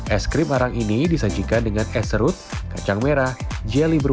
es krim arang ini disajikan dengan es serut kacang merah jeli berwarna merah